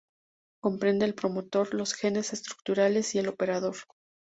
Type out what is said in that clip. Comprende el promotor, los genes estructurales y el operador.